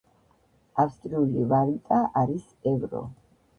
ავსტრიული ვალუტა არის ევრო.